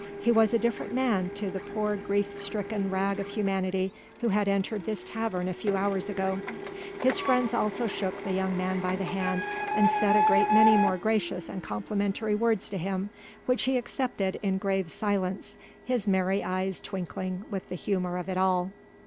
He was a different man to the poor grief stricken rag of humanity who had entered this tavern a few hours ago. His friends also shook the young man by the hand and said a great many more gracious and complimentary words to him which he accepted in grave silence, his merry eyes twinkling with the humour of it all.